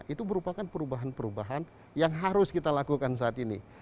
itu merupakan perubahan perubahan yang harus kita lakukan saat ini